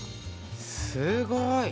すごい！